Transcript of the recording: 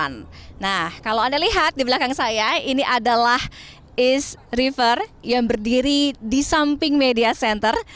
nah kalau anda lihat di belakang saya ini adalah east river yang berdiri di samping media center